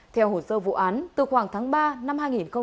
theo hồ sơ vụ án từ khoảng tháng ba năm hai nghìn hai mươi